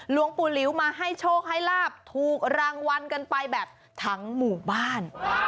หลวงปู่หลิวมาให้โชคให้ลาบถูกรางวัลกันไปแบบทั้งหมู่บ้าน